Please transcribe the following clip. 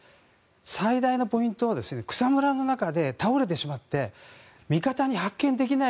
最大のポイントは草むらの中で倒れてしまって味方が発見できない